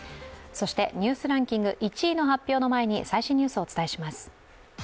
そしてニュースランキング１位の発表の前に最新ニュースをお伝えします。